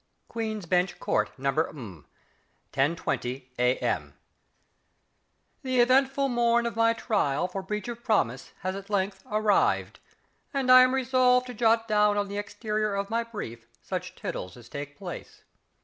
_ Queen's Bench Court, No. , 10.20 A.M. The eventful morn of my trial for Breach of Promise has at length arrived, and I am resolved to jot down on the exterior of my brief such tittles as take place.